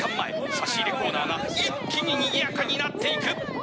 差し入れコーナーが一気ににぎやかになっていく。